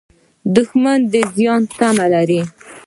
دښمن د زیان تمه لري